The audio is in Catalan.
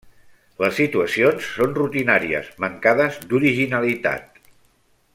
Les situacions són rutinàries, mancades d'originalitat.